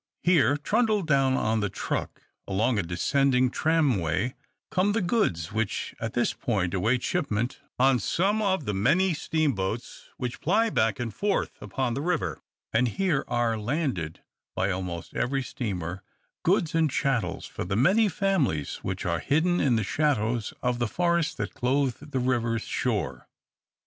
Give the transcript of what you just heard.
Here, trundled down on the truck along a descending tram way, come the goods which at this point await shipment on some of the many steamboats which ply back and forth upon the river; and here are landed by almost every steamer goods and chattels for the many families which are hidden in the shadows of the forests that clothe the river's shore.